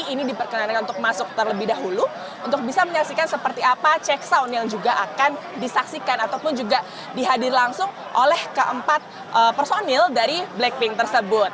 ini diperkenankan untuk masuk terlebih dahulu untuk bisa menyaksikan seperti apa cek sound yang juga akan disaksikan ataupun juga dihadir langsung oleh keempat personil dari blackpink tersebut